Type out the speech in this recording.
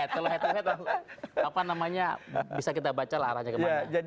kalau head to head apa namanya bisa kita baca lah arahnya kemana